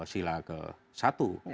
sila ke satu